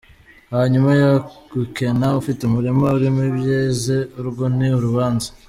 Hanyuma gukena ufite umurima urimo ibyeze urwo ni urubanza?”.